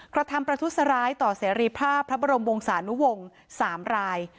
กระทำประทุษร้ายต่อเสรีภาพพระบรมวงศานุวงศ์๓ราย